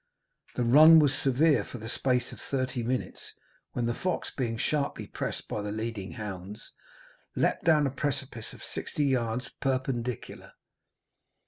The run was severe for the space of thirty minutes, when the fox, being sharply pressed by the leading hounds, leaped down a precipice of sixty yards perpendicular.